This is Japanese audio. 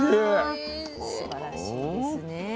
すばらしいですね。